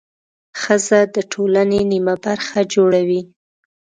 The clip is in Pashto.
ښځه د ټولنې نیمه برخه جوړوي.